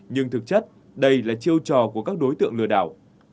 nhưng thực chất đây là chiêu trò của các đối tượng lừa đảo